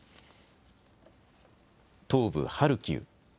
東部ハルキウ。